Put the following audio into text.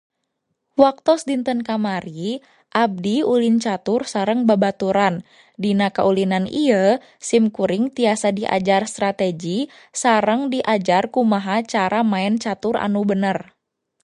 Waktos dinten kamari abdi ulin catur sareng babaturan, dina kaulinan ieu simkuring tiasa diajar strategi sareng diajar kumaha cara maen catur anu bener.